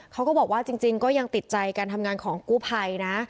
เขาก็บอกว่าจริงก็ยังติดใจการทำงานของกู้ภัยนะ